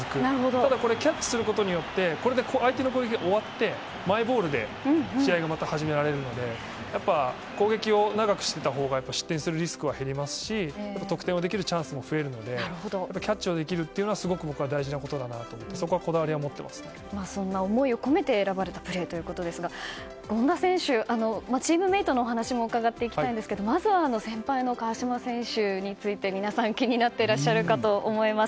ただ、キャッチすることによってこれで相手の攻撃が終わってマイボールで試合がまた始められるので攻撃を長くしていたほうが失点するリスクは減りますし得点ができるチャンスも増えるのでキャッチをできるというのはすごく僕は大事なことだなと思いそんな思いを込めて選ばれたプレーですが権田選手、チームメートの話も伺っていきたいんですがまず、先輩の川島選手について皆さん、気になっていらっしゃるかと思います。